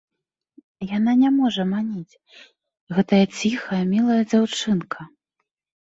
Яна не можа маніць, гэтая ціхая мілая дзяўчынка!